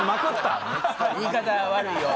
言い方悪いよ